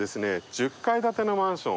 １０階建てのマンション。